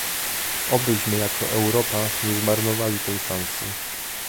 Obyśmy jako Europa nie zmarnowali tej szansy